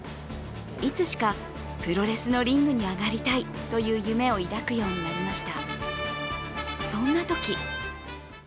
いつしかプロレスのリングに上がりたいという夢を抱くようになりました。